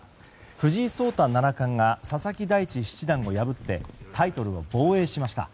藤井聡太七冠が佐々木大地七段を破ってタイトルを防衛しました。